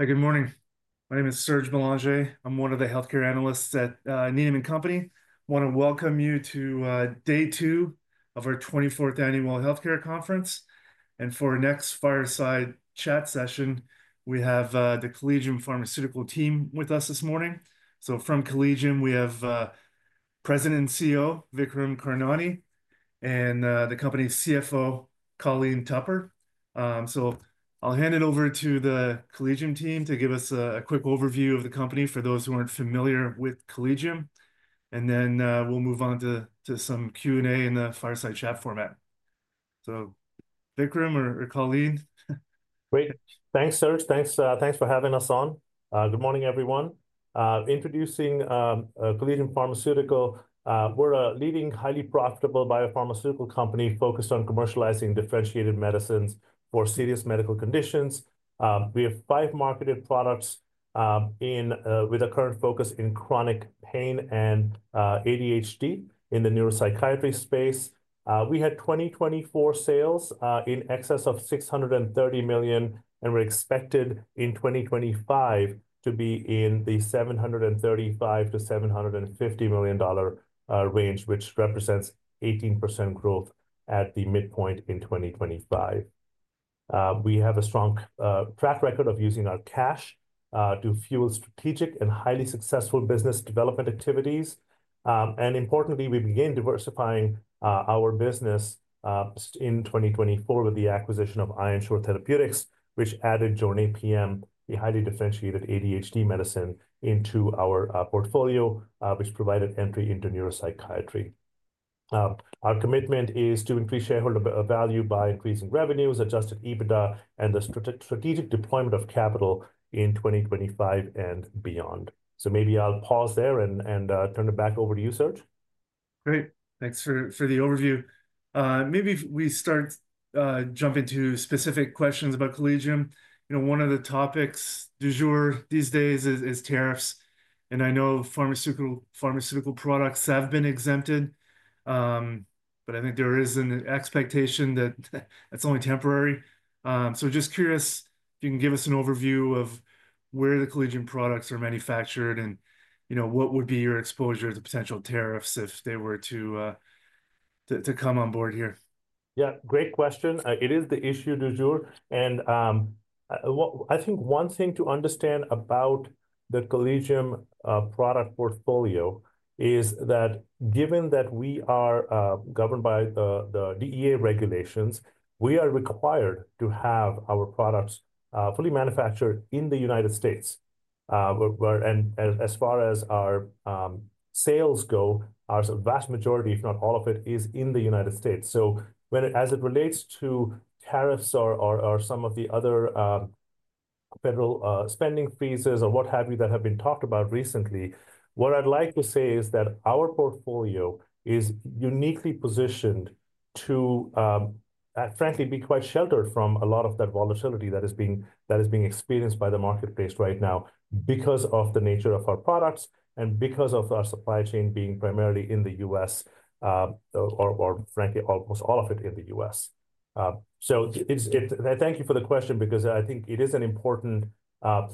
Good morning. My name is Serge Belanger. I'm one of the healthcare analysts at Needham & Company. I want to welcome you to day two of our 24th Annual Healthcare Conference. For our next fireside chat session, we have the Collegium Pharmaceutical team with us this morning. From Collegium, we have President and CEO Vikram Karnani and the company's CFO, Colleen Tupper. I'll hand it over to the Collegium team to give us a quick overview of the company for those who aren't familiar with Collegium. Then we'll move on to some Q&A in the fireside chat format. Vikram or Colleen. Great. Thanks, Serge. Thanks for having us on. Good morning, everyone. Introducing Collegium Pharmaceutical. We're a leading, highly profitable biopharmaceutical company focused on commercializing differentiated medicines for serious medical conditions. We have five marketed products with a current focus in chronic pain and ADHD in the neuropsychiatry space. We had 2024 sales in excess of $630 million, and we're expected in 2025 to be in the $735-$750 million range, which represents 18% growth at the midpoint in 2025. We have a strong track record of using our cash to fuel strategic and highly successful business development activities. Importantly, we began diversifying our business in 2024 with the acquisition of Ironshore Therapeutics, which added Jornay PM, the highly differentiated ADHD medicine, into our portfolio, which provided entry into neuropsychiatry. Our commitment is to increase shareholder value by increasing revenues, Adjusted EBITDA, and the strategic deployment of capital in 2025 and beyond. Maybe I'll pause there and turn it back over to you, Serge. Great. Thanks for the overview. Maybe we start jumping to specific questions about Collegium. One of the topics du jour these days is tariffs. I know pharmaceutical products have been exempted, but I think there is an expectation that that's only temporary. Just curious if you can give us an overview of where the Collegium products are manufactured and what would be your exposure to potential tariffs if they were to come on board here. Yeah, great question. It is the issue du jour. I think one thing to understand about the Collegium product portfolio is that given that we are governed by the DEA regulations, we are required to have our products fully manufactured in the United States. As far as our sales go, our vast majority, if not all of it, is in the United States. As it relates to tariffs or some of the other federal spending freezes or what have you that have been talked about recently, what I'd like to say is that our portfolio is uniquely positioned to, frankly, be quite sheltered from a lot of that volatility that is being experienced by the marketplace right now because of the nature of our products and because of our supply chain being primarily in the U.S. or, frankly, almost all of it in the U.S. Thank you for the question because I think it is an important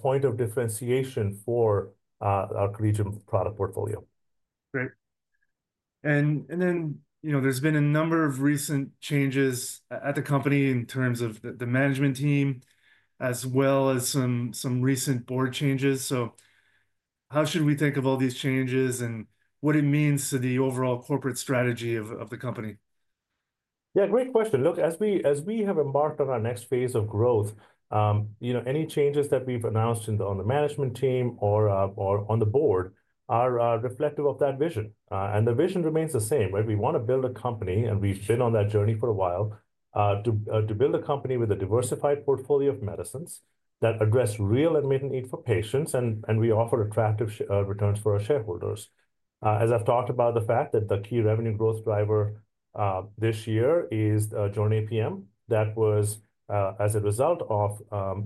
point of differentiation for our Collegium product portfolio. Great. There have been a number of recent changes at the company in terms of the management team as well as some recent board changes. How should we think of all these changes and what it means to the overall corporate strategy of the company? Yeah, great question. Look, as we have embarked on our next phase of growth, any changes that we've announced on the management team or on the board are reflective of that vision. The vision remains the same. We want to build a company, and we've been on that journey for a while to build a company with a diversified portfolio of medicines that address real and immediate need for patients. We offer attractive returns for our shareholders. I've talked about the fact that the key revenue growth driver this year is Jornay PM. That was as a result of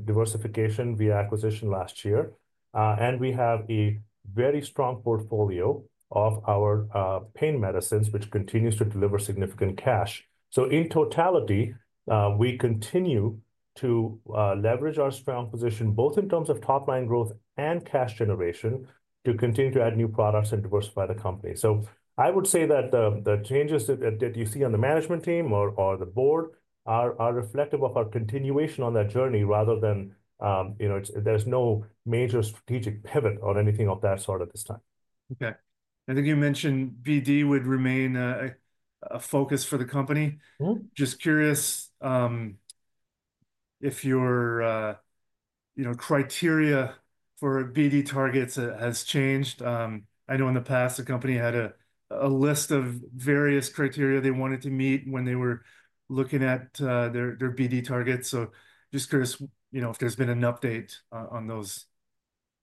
diversification via acquisition last year. We have a very strong portfolio of our pain medicines, which continues to deliver significant cash. In totality, we continue to leverage our strong position both in terms of top-line growth and cash generation to continue to add new products and diversify the company. I would say that the changes that you see on the management team or the board are reflective of our continuation on that journey rather than there's no major strategic pivot or anything of that sort at this time. Okay. I think you mentioned BD would remain a focus for the company. Just curious if your criteria for BD targets has changed. I know in the past, the company had a list of various criteria they wanted to meet when they were looking at their BD targets. Just curious if there's been an update on those.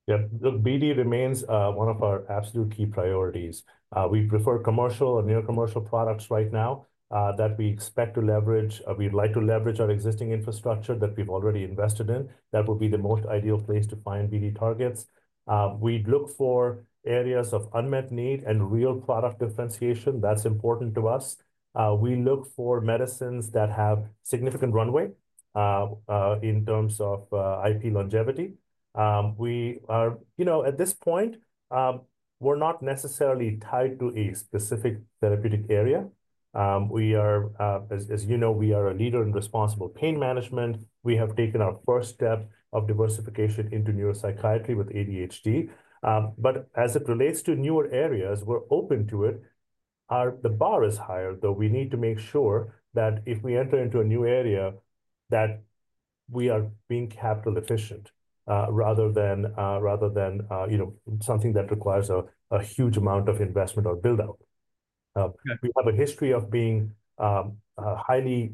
Yeah. Look, BD remains one of our absolute key priorities. We prefer commercial or near-commercial products right now that we expect to leverage. We'd like to leverage our existing infrastructure that we've already invested in. That would be the most ideal place to find BD targets. We'd look for areas of unmet need and real product differentiation. That's important to us. We look for medicines that have significant runway in terms of IP longevity. At this point, we're not necessarily tied to a specific therapeutic area. As you know, we are a leader in responsible pain management. We have taken our first step of diversification into neuropsychiatry with ADHD. As it relates to newer areas, we're open to it. The bar is higher, though. We need to make sure that if we enter into a new area, that we are being capital efficient rather than something that requires a huge amount of investment or build-up. We have a history of being highly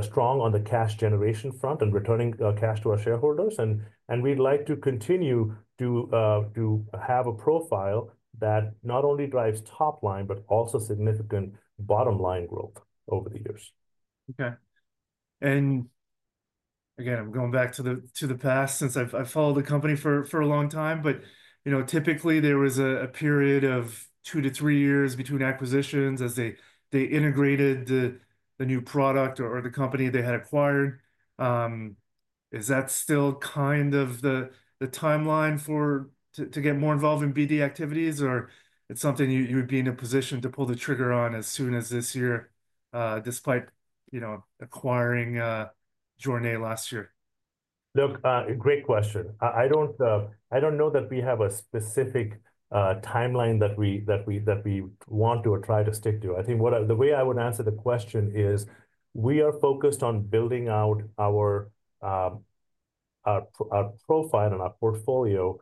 strong on the cash generation front and returning cash to our shareholders. We would like to continue to have a profile that not only drives top line, but also significant bottom line growth over the years. Okay. Again, I'm going back to the past since I've followed the company for a long time, but typically, there was a period of two to three years between acquisitions as they integrated the new product or the company they had acquired. Is that still kind of the timeline to get more involved in BD activities, or it's something you would be in a position to pull the trigger on as soon as this year despite acquiring Jornay last year? Look, great question. I don't know that we have a specific timeline that we want to or try to stick to. I think the way I would answer the question is we are focused on building out our profile and our portfolio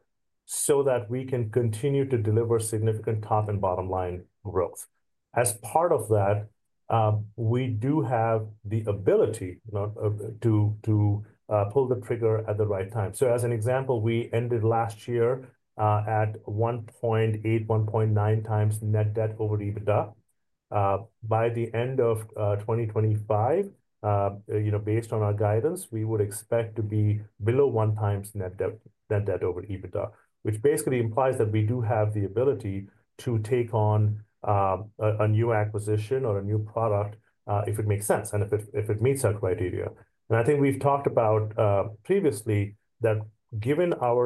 so that we can continue to deliver significant top and bottom line growth. As part of that, we do have the ability to pull the trigger at the right time. As an example, we ended last year at 1.8-1.9 times net debt over EBITDA. By the end of 2025, based on our guidance, we would expect to be below one times net debt over EBITDA, which basically implies that we do have the ability to take on a new acquisition or a new product if it makes sense and if it meets our criteria. I think we've talked about previously that given our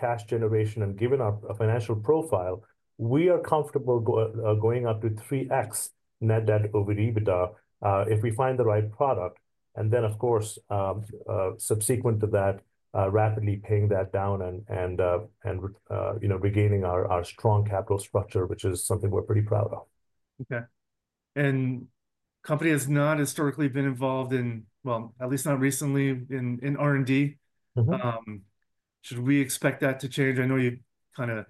cash generation and given our financial profile, we are comfortable going up to 3x net debt over EBITDA if we find the right product. Of course, subsequent to that, rapidly paying that down and regaining our strong capital structure, which is something we're pretty proud of. Okay. The company has not historically been involved in, at least not recently, in R&D. Should we expect that to change? I know you kind of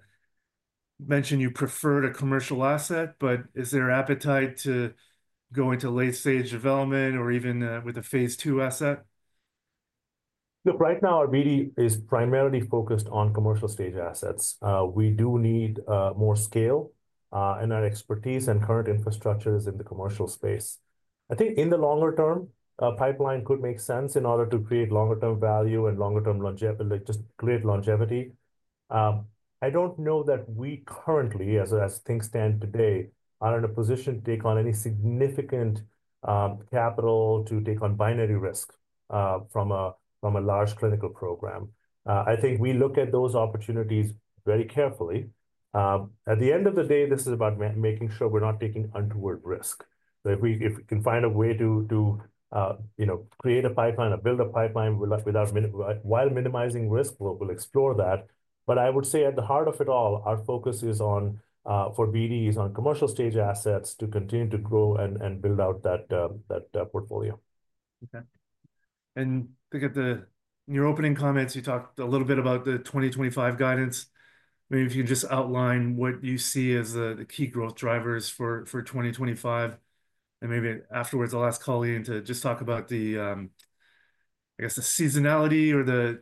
mentioned you preferred a commercial asset, but is there appetite to go into late-stage development or even with a phase two asset? Look, right now, our BD is primarily focused on commercial stage assets. We do need more scale and our expertise and current infrastructure is in the commercial space. I think in the longer term, a pipeline could make sense in order to create longer-term value and longer-term longevity, just create longevity. I don't know that we currently, as things stand today, are in a position to take on any significant capital to take on binary risk from a large clinical program. I think we look at those opportunities very carefully. At the end of the day, this is about making sure we're not taking untoward risk. If we can find a way to create a pipeline or build a pipeline while minimizing risk, we'll explore that. I would say at the heart of it all, our focus is on, for BD, is on commercial stage assets to continue to grow and build out that portfolio. Okay. I think at the near-opening comments, you talked a little bit about the 2025 guidance. Maybe if you can just outline what you see as the key growth drivers for 2025. Maybe afterwards, I'll ask Colleen to just talk about the, I guess, the seasonality or the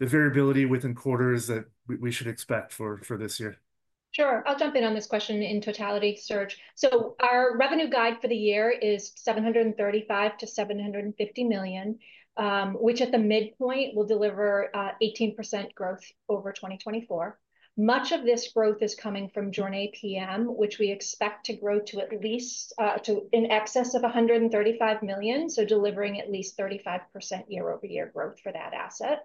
variability within quarters that we should expect for this year. Sure. I'll jump in on this question in totality, Serge. Our revenue guide for the year is $735-$750 million, which at the midpoint will deliver 18% growth over 2024. Much of this growth is coming from Jornay PM, which we expect to grow to at least in excess of $135 million, so delivering at least 35% year-over-year growth for that asset.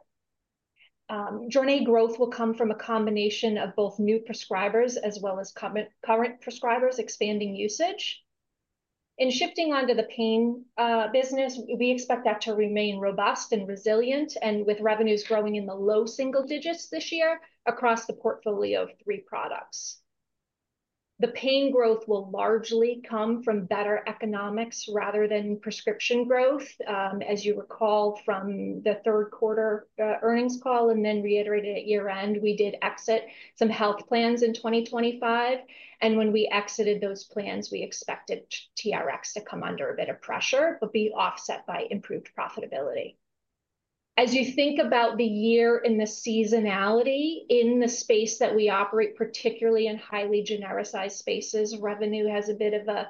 Jornay PM growth will come from a combination of both new prescribers as well as current prescribers expanding usage. In shifting on to the pain business, we expect that to remain robust and resilient and with revenues growing in the low single digits this year across the portfolio of three products. The pain growth will largely come from better economics rather than prescription growth. As you recall from the third quarter earnings call and then reiterated at year-end, we did exit some health plans in 2025. When we exited those plans, we expected TRX to come under a bit of pressure, but be offset by improved profitability. As you think about the year and the seasonality in the space that we operate, particularly in highly genericized spaces, revenue has a bit of a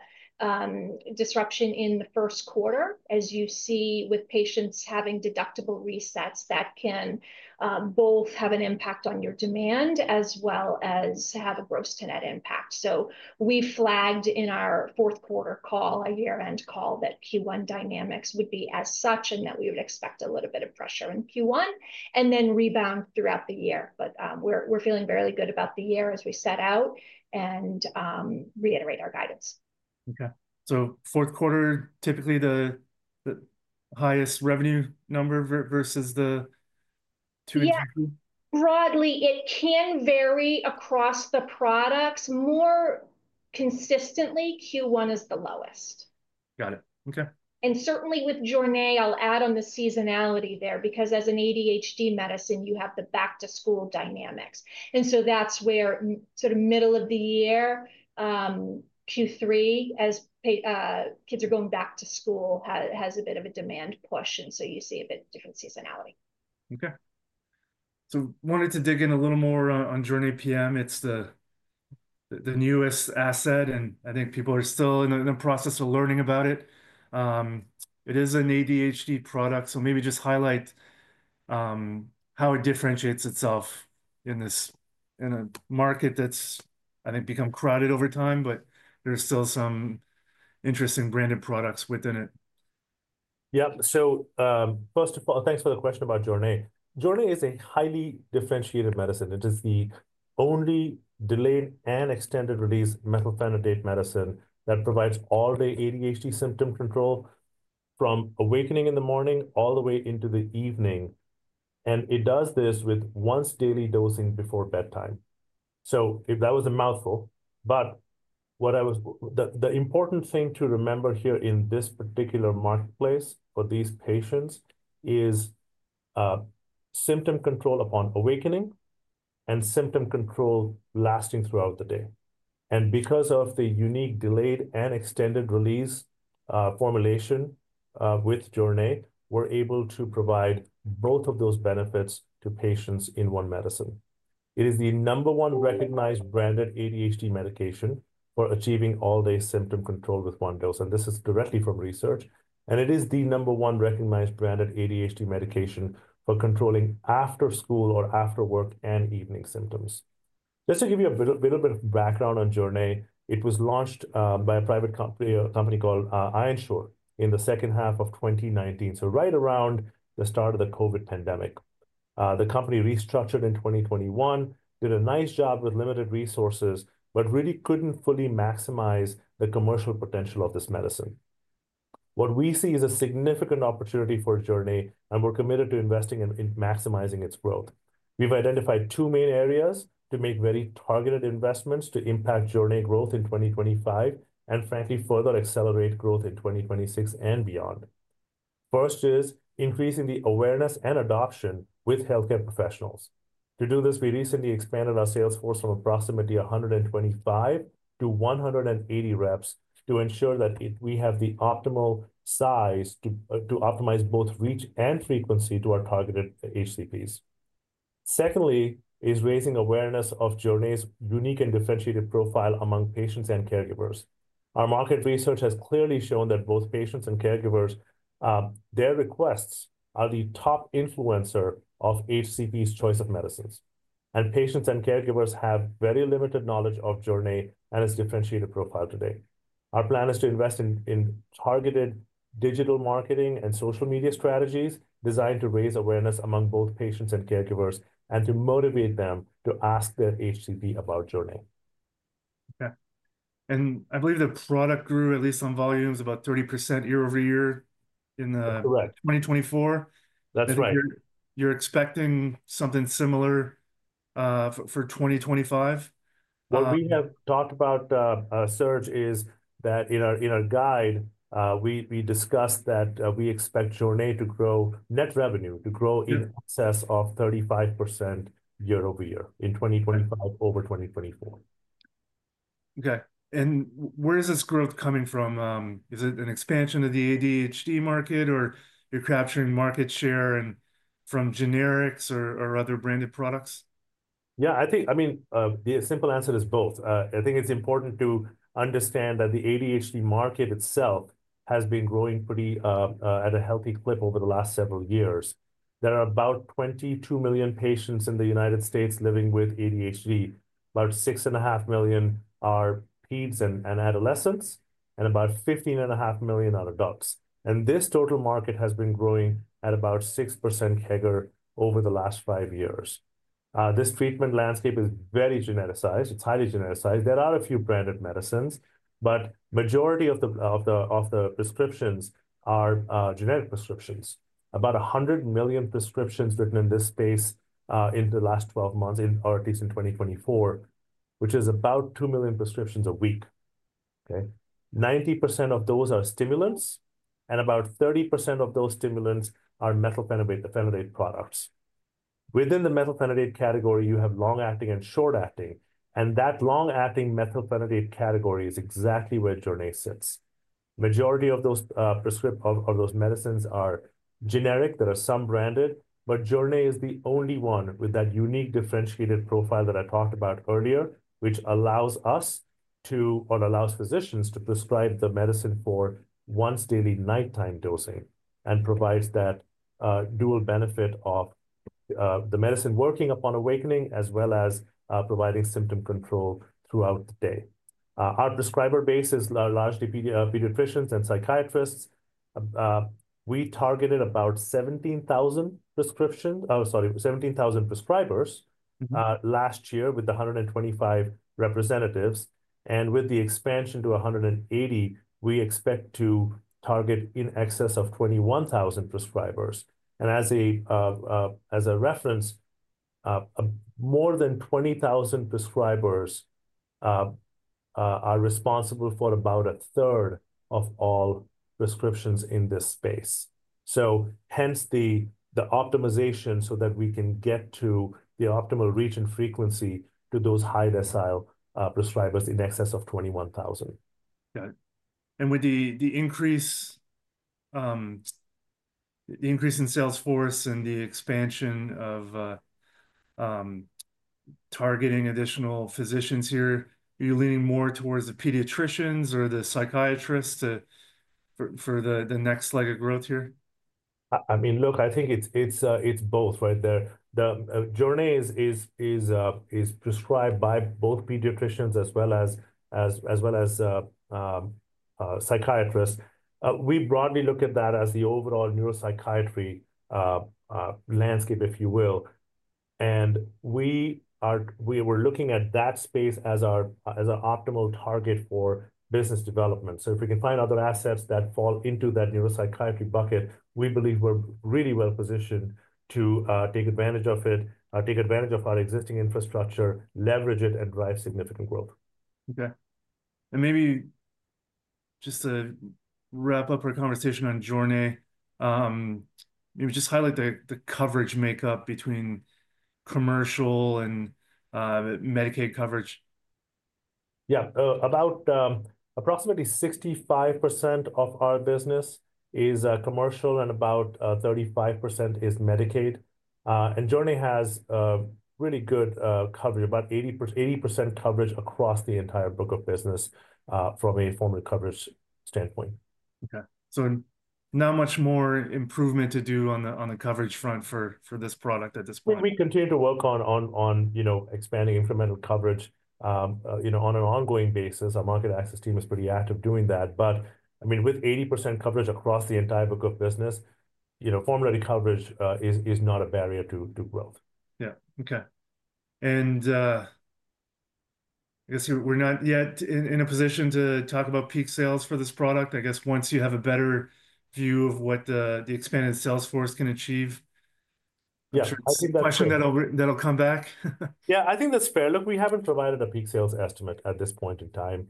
disruption in the first quarter, as you see with patients having deductible resets that can both have an impact on your demand as well as have a gross to net impact. We flagged in our fourth quarter call, a year-end call, that Q1 dynamics would be as such and that we would expect a little bit of pressure in Q1 and then rebound throughout the year. We are feeling fairly good about the year as we set out and reiterate our guidance. Okay. Fourth quarter, typically the highest revenue number versus the two and two. Yeah. Broadly, it can vary across the products. More consistently, Q1 is the lowest. Got it. Okay. Certainly with Jornay, I'll add on the seasonality there because as an ADHD medicine, you have the back-to-school dynamics. That's where sort of middle of the year, Q3, as kids are going back to school, has a bit of a demand push. You see a bit of different seasonality. Okay. Wanted to dig in a little more on Jornay PM. It's the newest asset, and I think people are still in the process of learning about it. It is an ADHD product, so maybe just highlight how it differentiates itself in a market that's, I think, become crowded over time, but there's still some interesting branded products within it. Yep. First of all, thanks for the question about Jornay. Jornay is a highly differentiated medicine. It is the only delayed and extended-release methylphenidate medicine that provides all-day ADHD symptom control from awakening in the morning all the way into the evening. It does this with once-daily dosing before bedtime. That was a mouthful. The important thing to remember here in this particular marketplace for these patients is symptom control upon awakening and symptom control lasting throughout the day. Because of the unique delayed and extended-release formulation with Jornay, we're able to provide both of those benefits to patients in one medicine. It is the number one recognized branded ADHD medication for achieving all-day symptom control with one dose. This is directly from research. It is the number one recognized branded ADHD medication for controlling after-school or after-work and evening symptoms. Just to give you a little bit of background on Jornay PM, it was launched by a private company called Ironshore in the second half of 2019, so right around the start of the COVID pandemic. The company restructured in 2021, did a nice job with limited resources, but really could not fully maximize the commercial potential of this medicine. What we see is a significant opportunity for Jornay PM, and we are committed to investing in maximizing its growth. We have identified two main areas to make very targeted investments to impact Jornay PM growth in 2025 and, frankly, further accelerate growth in 2026 and beyond. First is increasing the awareness and adoption with healthcare professionals. To do this, we recently expanded our sales force from approximately 125 to 180 reps to ensure that we have the optimal size to optimize both reach and frequency to our targeted HCPs. Secondly is raising awareness of Jornay PM's unique and differentiated profile among patients and caregivers. Our market research has clearly shown that both patients and caregivers, their requests are the top influencer of HCP's choice of medicines. Patients and caregivers have very limited knowledge of Jornay PM and its differentiated profile today. Our plan is to invest in targeted digital marketing and social media strategies designed to raise awareness among both patients and caregivers and to motivate them to ask their HCP about Jornay PM. Okay. I believe the product grew, at least on volumes, about 30% year-over-year in 2024. That's right. You're expecting something similar for 2025? What we have talked about, Serge, is that in our guide, we discussed that we expect Jornay PM to grow net revenue to grow in excess of 35% year-over-year in 2025 over 2024. Okay. Where is this growth coming from? Is it an expansion of the ADHD market, or you're capturing market share from generics or other branded products? Yeah. I mean, the simple answer is both. I think it's important to understand that the ADHD market itself has been growing pretty at a healthy clip over the last several years. There are about 22 million patients in the United States living with ADHD. About 6.5 million are kids and adolescents, and about 15.5 million are adults. This total market has been growing at about 6% CAGR over the last five years. This treatment landscape is very genericized. It's highly genericized. There are a few branded medicines, but the majority of the prescriptions are generic prescriptions. About 100 million prescriptions written in this space in the last 12 months, or at least in 2024, which is about 2 million prescriptions a week. Okay? 90% of those are stimulants, and about 30% of those stimulants are methylphenidate products. Within the methylphenidate category, you have long-acting and short-acting. That long-acting methylphenidate category is exactly where Jornay PM sits. The majority of those prescriptions or those medicines are generic. There are some branded, but Jornay PM is the only one with that unique differentiated profile that I talked about earlier, which allows us to, or allows physicians to prescribe the medicine for once-daily nighttime dosing and provides that dual benefit of the medicine working upon awakening as well as providing symptom control throughout the day. Our prescriber base is largely pediatricians and psychiatrists. We targeted about 17,000 prescribers last year with 125 representatives. With the expansion to 180, we expect to target in excess of 21,000 prescribers. As a reference, more than 20,000 prescribers are responsible for about a third of all prescriptions in this space. Hence the optimization so that we can get to the optimal reach and frequency to those high-decile prescribers in excess of 21,000. Got it. With the increase in sales force and the expansion of targeting additional physicians here, are you leaning more towards the pediatricians or the psychiatrists for the next leg of growth here? I mean, look, I think it's both, right? Jornay PM is prescribed by both pediatricians as well as psychiatrists. We broadly look at that as the overall neuropsychiatry landscape, if you will. We were looking at that space as our optimal target for business development. If we can find other assets that fall into that neuropsychiatry bucket, we believe we're really well-positioned to take advantage of it, take advantage of our existing infrastructure, leverage it, and drive significant growth. Okay. And maybe just to wrap up our conversation on Jornay, maybe just highlight the coverage makeup between commercial and Medicaid coverage. Yeah. About approximately 65% of our business is commercial and about 35% is Medicaid. And Jornay PM has really good coverage, about 80% coverage across the entire book of business from a formulary coverage standpoint. Okay. Not much more improvement to do on the coverage front for this product at this point. We continue to work on expanding incremental coverage on an ongoing basis. Our market access team is pretty active doing that. I mean, with 80% coverage across the entire book of business, formulary coverage is not a barrier to growth. Yeah. Okay. I guess we're not yet in a position to talk about peak sales for this product. I guess once you have a better view of what the expanded sales force can achieve, I'm sure it's a question that'll come back. Yeah. I think that's fair. Look, we haven't provided a peak sales estimate at this point in time.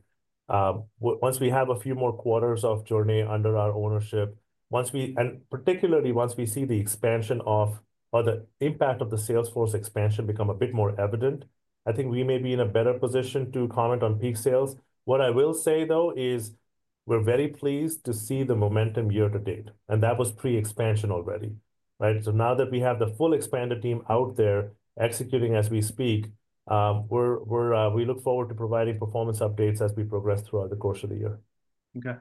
Once we have a few more quarters of Jornay under our ownership, and particularly once we see the expansion of or the impact of the sales force expansion become a bit more evident, I think we may be in a better position to comment on peak sales. What I will say, though, is we're very pleased to see the momentum year to date. That was pre-expansion already, right? Now that we have the full expanded team out there executing as we speak, we look forward to providing performance updates as we progress throughout the course of the year. Okay.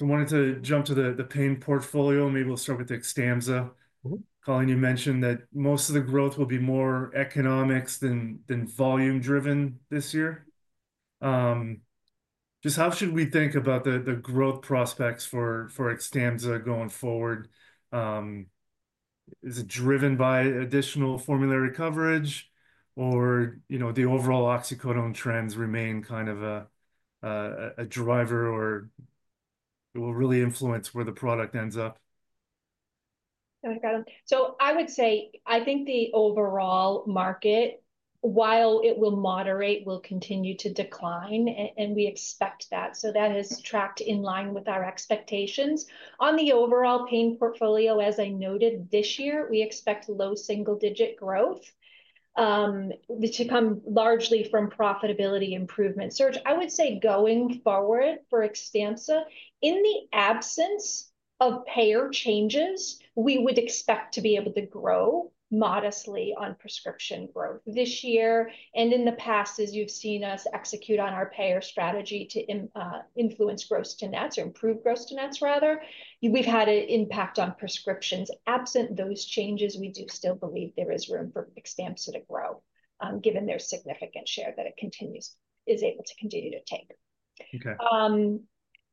I wanted to jump to the pain portfolio. Maybe we'll start with the Xtampza. Colleen, you mentioned that most of the growth will be more economics than volume-driven this year. Just how should we think about the growth prospects for Xtampza going forward? Is it driven by additional formulary coverage, or do the overall oxycodone trends remain kind of a driver or will really influence where the product ends up? I got it. I would say I think the overall market, while it will moderate, will continue to decline, and we expect that. That is tracked in line with our expectations. On the overall pain portfolio, as I noted this year, we expect low single-digit growth to come largely from profitability improvement. Serge, I would say going forward for Xtampza, in the absence of payer changes, we would expect to be able to grow modestly on prescription growth this year. In the past, as you've seen us execute on our payer strategy to influence gross-to-nets or improve gross-to-nets, rather, we've had an impact on prescriptions. Absent those changes, we do still believe there is room for Xtampza to grow given their significant share that it is able to continue to take.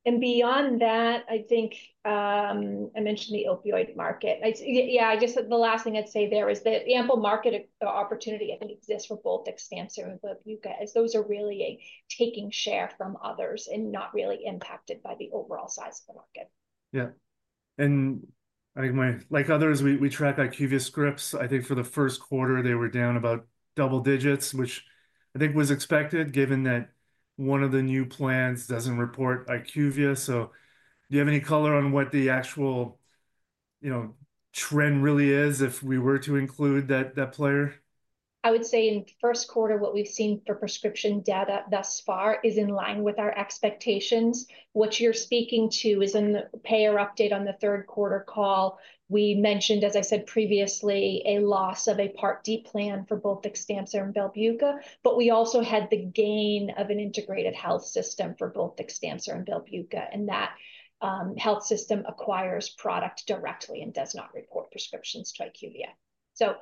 Beyond that, I think I mentioned the opioid market. Yeah, I guess the last thing I'd say there is the ample market opportunity, I think, exists for both Xtampza and both you guys. Those are really taking share from others and not really impacted by the overall size of the market. Yeah. Like others, we track IQVIA scripts. I think for the first quarter, they were down about double digits, which I think was expected given that one of the new plans does not report to IQVIA. Do you have any color on what the actual trend really is if we were to include that player? I would say in the first quarter, what we've seen for prescription data thus far is in line with our expectations. What you're speaking to is in the payer update on the third quarter call. We mentioned, as I said previously, a loss of a Part D plan for both Xtampza and Belbuca, but we also had the gain of an integrated health system for both Xtampza and Belbuca, and that health system acquires product directly and does not report prescriptions to IQVIA.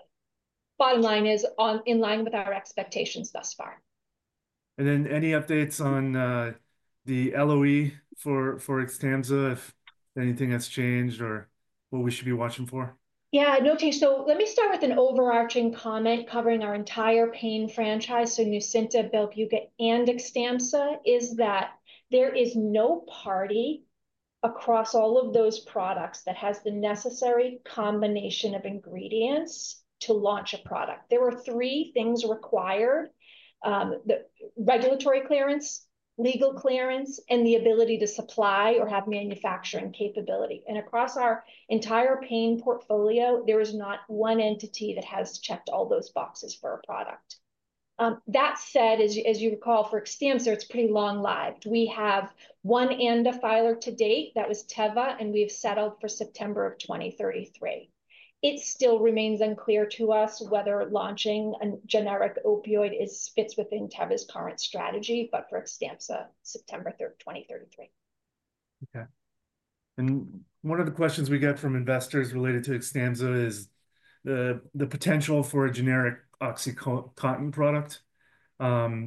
Bottom line is in line with our expectations thus far. Are there any updates on the LOE for Xtampza, if anything has changed or what we should be watching for? Yeah. No change. Let me start with an overarching comment covering our entire pain franchise, so Nucynta, Belbuca, and Xtampza, is that there is no party across all of those products that has the necessary combination of ingredients to launch a product. There were three things required: regulatory clearance, legal clearance, and the ability to supply or have manufacturing capability. Across our entire pain portfolio, there is not one entity that has checked all those boxes for a product. That said, as you recall, for Xtampza, it is pretty long-lived. We have one ANDA filer to date that was Teva, and we have settled for September of 2033. It still remains unclear to us whether launching a generic opioid fits within Teva's current strategy, but for Xtampza, September 3, 2033. Okay. One of the questions we get from investors related to Xtampza is the potential for a generic OxyContin product.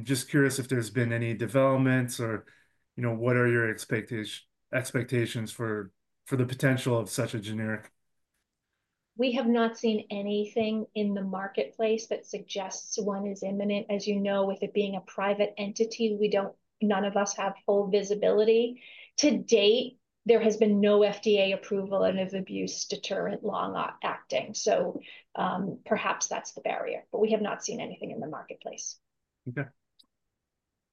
Just curious if there's been any developments or what are your expectations for the potential of such a generic? We have not seen anything in the marketplace that suggests one is imminent. As you know, with it being a private entity, none of us have full visibility. To date, there has been no FDA approval of abuse deterrent long-acting. Perhaps that's the barrier, but we have not seen anything in the marketplace. Okay.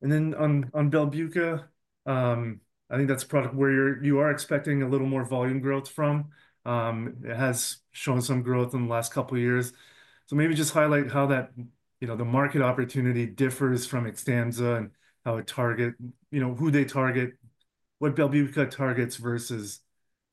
On Belbuca, I think that's a product where you are expecting a little more volume growth from. It has shown some growth in the last couple of years. Maybe just highlight how the market opportunity differs from Xtampza and how they target what Belbuca targets versus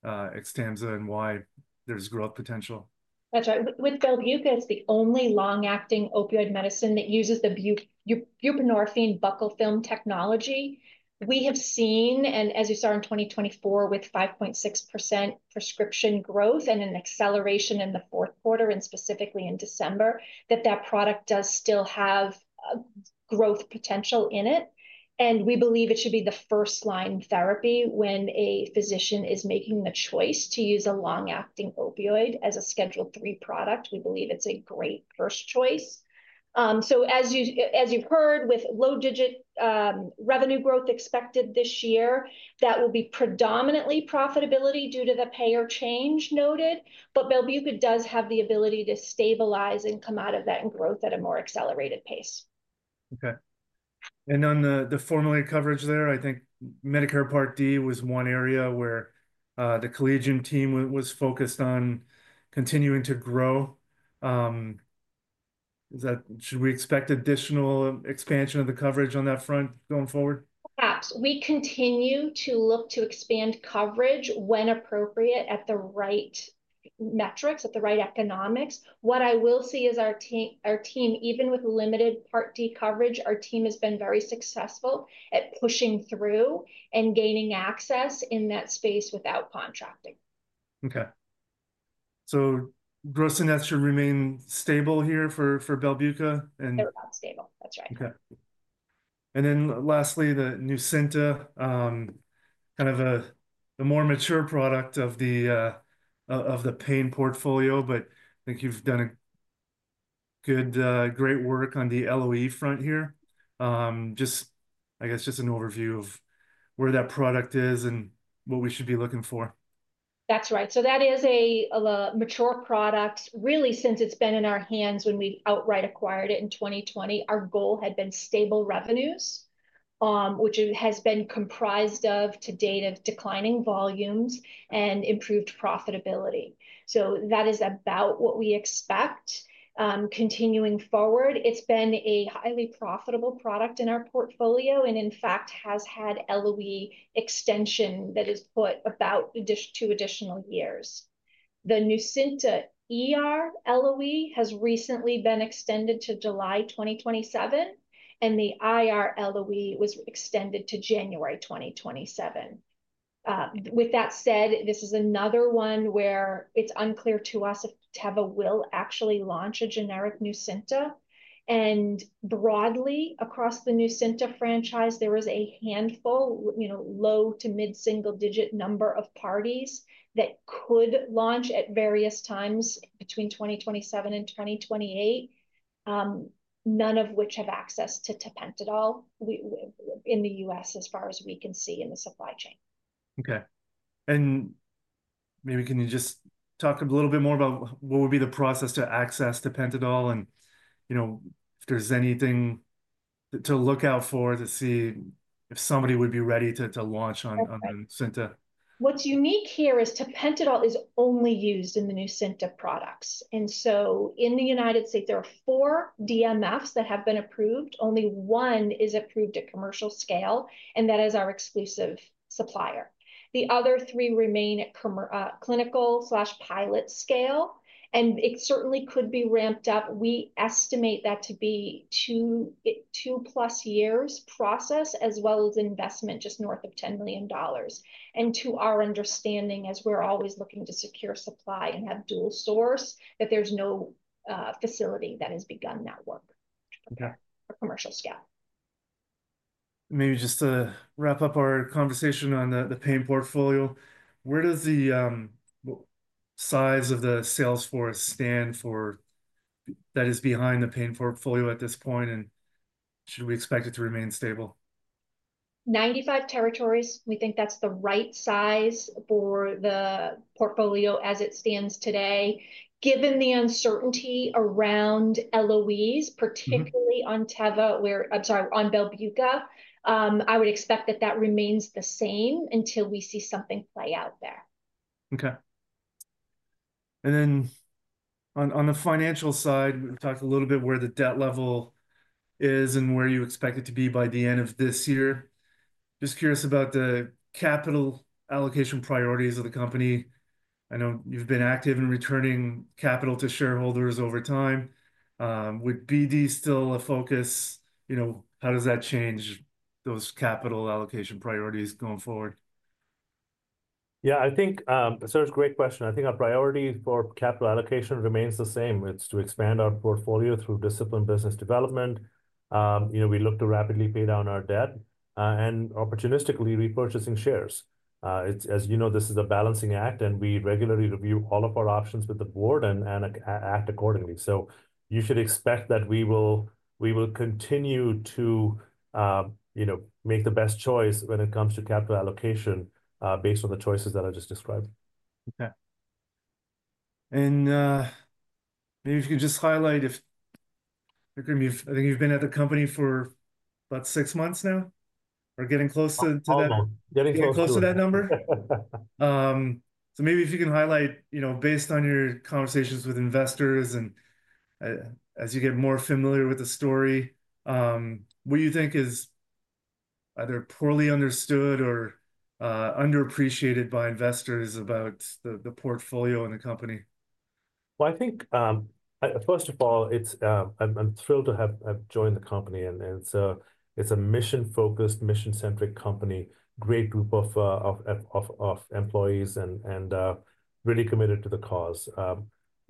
Xtampza and why there's growth potential. That's right. With Belbuca, it's the only long-acting opioid medicine that uses the buprenorphine buccal film technology. We have seen, and as you saw in 2024, with 5.6% prescription growth and an acceleration in the fourth quarter, and specifically in December, that that product does still have growth potential in it. We believe it should be the first-line therapy when a physician is making the choice to use a long-acting opioid as a Schedule III product. We believe it's a great first choice. As you've heard, with low-digit revenue growth expected this year, that will be predominantly profitability due to the payer change noted. Belbuca does have the ability to stabilize and come out of that growth at a more accelerated pace. Okay. On the formulary coverage there, I think Medicare Part D was one area where the Collegium team was focused on continuing to grow. Should we expect additional expansion of the coverage on that front going forward? Perhaps. We continue to look to expand coverage when appropriate at the right metrics, at the right economics. What I will say is our team, even with limited Part D coverage, our team has been very successful at pushing through and gaining access in that space without contracting. Okay. Gross-to-nets should remain stable here for Belbuca. They're about stable. That's right. Okay. Lastly, the Nucynta, kind of the more mature product of the pain portfolio, but I think you've done great work on the LOE front here. Just, I guess, just an overview of where that product is and what we should be looking for. That's right. That is a mature product. Really, since it's been in our hands when we outright acquired it in 2020, our goal had been stable revenues, which has been comprised to date of declining volumes and improved profitability. That is about what we expect continuing forward. It's been a highly profitable product in our portfolio and, in fact, has had LOE extension that has put about two additional years. The Nucynta LOE has recently been extended to July 2027, and the IR LOE was extended to January 2027. With that said, this is another one where it's unclear to us if Teva will actually launch a generic Nucynta. Broadly, across the Nucynta franchise, there was a handful, low to mid-single-digit number of parties that could launch at various times between 2027 and 2028, none of which have access to tapentadol in the U.S. as far as we can see in the supply chain. Okay. Maybe can you just talk a little bit more about what would be the process to access tapentadol and if there's anything to look out for to see if somebody would be ready to launch on the Nucynta? What's unique here is tapentadol is only used in the Nucynta products. In the United States, there are four DMFs that have been approved. Only one is approved at commercial scale, and that is our exclusive supplier. The other three remain at clinical/pilot scale, and it certainly could be ramped up. We estimate that to be a two-plus years process as well as investment just north of $10 million. To our understanding, as we're always looking to secure supply and have dual source, there's no facility that has begun that work for commercial scale. Maybe just to wrap up our conversation on the pain portfolio, where does the size of the sales force stand for that is behind the pain portfolio at this point, and should we expect it to remain stable? Ninety-five territories. We think that's the right size for the portfolio as it stands today. Given the uncertainty around LOEs, particularly on Teva or, I'm sorry, on Belbuca, I would expect that that remains the same until we see something play out there. Okay. On the financial side, we've talked a little bit where the debt level is and where you expect it to be by the end of this year. Just curious about the capital allocation priorities of the company. I know you've been active in returning capital to shareholders over time. Would BD still be a focus? How does that change those capital allocation priorities going forward? Yeah. So it's a great question. I think our priority for capital allocation remains the same. It's to expand our portfolio through disciplined business development. We look to rapidly pay down our debt and opportunistically repurchasing shares. As you know, this is a balancing act, and we regularly review all of our options with the board and act accordingly. You should expect that we will continue to make the best choice when it comes to capital allocation based on the choices that I just described. Okay. Maybe if you can just highlight if I think you've been at the company for about six months now or getting close to that. Almost. Getting close. Getting close to that number? Maybe if you can highlight, based on your conversations with investors and as you get more familiar with the story, what do you think is either poorly understood or underappreciated by investors about the portfolio and the company? I think, first of all, I'm thrilled to have joined the company. It's a mission-focused, mission-centric company, great group of employees, and really committed to the cause.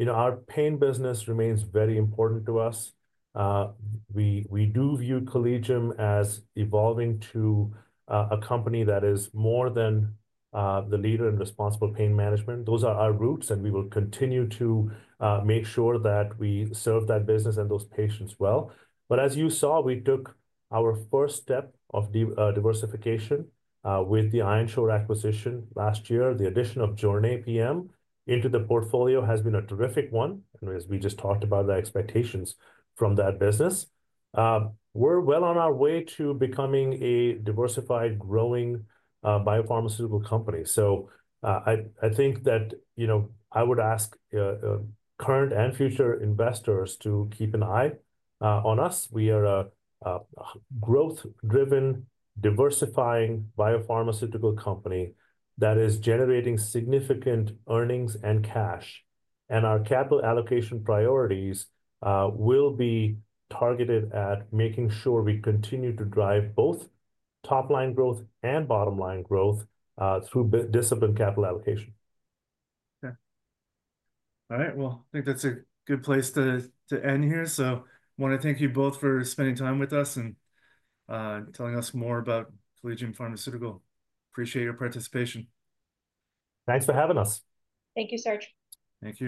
Our pain business remains very important to us. We do view Collegium as evolving to a company that is more than the leader in responsible pain management. Those are our roots, and we will continue to make sure that we serve that business and those patients well. As you saw, we took our first step of diversification with the Ironshore acquisition last year. The addition of Jornay PM into the portfolio has been a terrific one. As we just talked about the expectations from that business, we're well on our way to becoming a diversified, growing biopharmaceutical company. I think that I would ask current and future investors to keep an eye on us. We are a growth-driven, diversifying biopharmaceutical company that is generating significant earnings and cash. Our capital allocation priorities will be targeted at making sure we continue to drive both top-line growth and bottom-line growth through discipline capital allocation. Okay. All right. I think that's a good place to end here. I want to thank you both for spending time with us and telling us more about Collegium Pharmaceutical. Appreciate your participation. Thanks for having us. Thank you, Serge. Thank you.